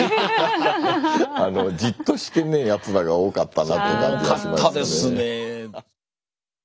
じっとしてねえやつらが多かったなって感じがしましたね。